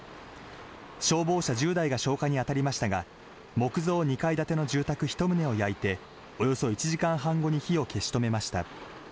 消防車１０台が消火に当たりましたが、木造２階建ての住宅１棟を焼いて、およそ１時間半後に火を消し止めました。